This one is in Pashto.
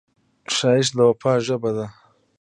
ښایست د وفا ژبه ده